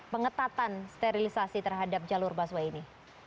pengetatan sterilisasi terhadap jalur busway ini